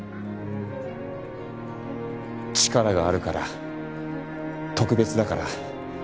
力があるから特別だから。